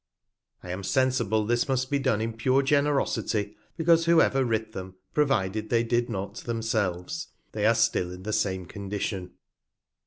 I am sensible this must be done in pure Generosity ; because whoever writ them, provided they did not I0 themselves, they are still in the same Condition.